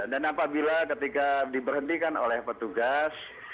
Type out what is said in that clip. dan apabila ketika diperhentikan oleh petugas